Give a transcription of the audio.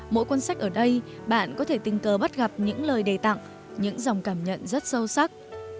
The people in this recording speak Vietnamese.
mỗi cuốn sách ở đây bạn có thể tình cờ bắt gặp những lời đề tặng những dòng cảm nhận rất sâu sắc